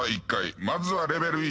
まずはレベル１。